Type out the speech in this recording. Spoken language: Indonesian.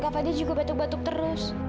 kebaikan punya climbed the deep